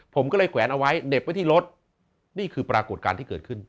ผมก็เลยแขวนเอาไว้เหน็บไว้ที่รถนี่คือปรากฏการณ์ที่เกิดขึ้น